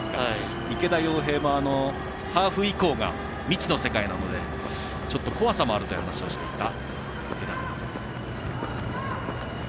池田耀平もハーフ以降が未知の世界なのでちょっと怖さもあるという話をしていました。